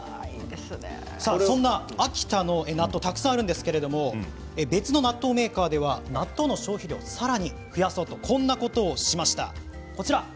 そんな秋田の納豆たくさんあるんですけど別の納豆メーカーでは納豆の消費量さらに増やそうとこんなことしました。